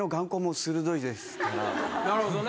なるほどね。